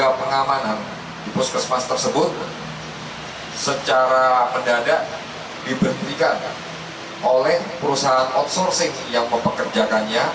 dan juga pengamanan di puskesmas tersebut secara pendadak diberikan oleh perusahaan outsourcing yang mempekerjakannya